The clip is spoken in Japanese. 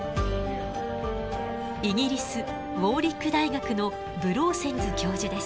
イギリスウォーリック大学のブローセンズ教授です。